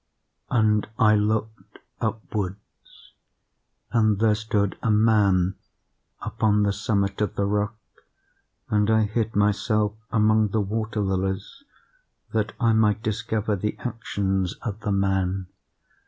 "And I looked upwards, and there stood a man upon the summit of the rock; and I hid myself among the water lilies that I might discover the actions of the man.